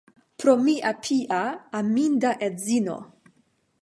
Pro mia pia, aminda edzino.